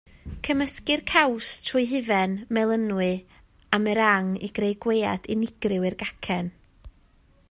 Cymysgir caws trwy hufen, melynwy a meringue i greu gwead unigryw i'r gacen.